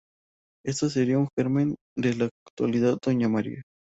Esto sería el germen de la actual Doña María.